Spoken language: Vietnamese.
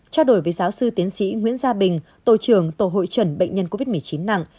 trao đổi với giáo sư tiến sĩ nguyễn gia bình tổ trưởng tổ hội trần bệnh nhân covid một mươi chín nặng